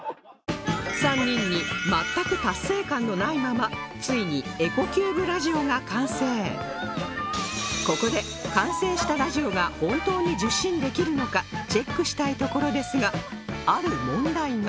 ３人に全く達成感のないままついにここで完成したラジオが本当に受信できるのかチェックしたいところですがある問題が